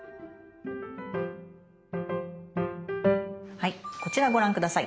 はいこちらご覧下さい。